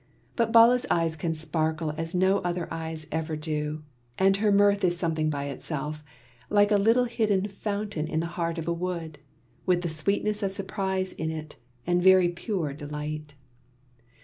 But Bala's eyes can sparkle as no other eyes ever do; and her mirth is something by itself, like a little hidden fountain in the heart of a wood, with the sweetness of surprise in it and very pure delight.